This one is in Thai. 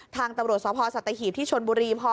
ทางตำรวจสภสัตหีบที่ชนบุรีพอ